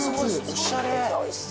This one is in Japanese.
・おしゃれ。